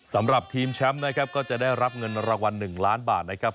สำหรับทีมแชมป์นะครับก็จะได้รับเงินรางวัล๑ล้านบาทนะครับ